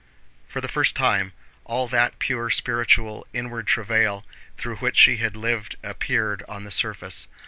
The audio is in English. For the first time all that pure, spiritual, inward travail through which she had lived appeared on the surface.